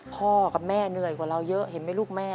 พ่อกับแม่เหนื่อยกว่าเราเยอะเห็นไหมลูกแม่